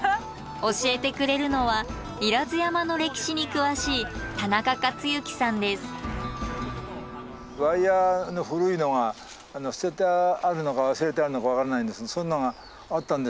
教えてくれるのは不入山の歴史に詳しいワイヤーの古いのが捨ててあるのか忘れてあるのか分からないんですがそういうのがあったんですけど。